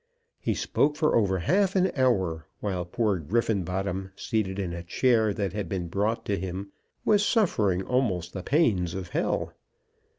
He spoke for over half an hour, while poor Griffenbottom, seated in a chair that had been brought to him, was suffering almost the pains of hell.